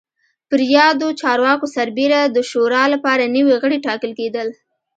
پر یادو چارواکو سربېره د شورا لپاره نوي غړي ټاکل کېدل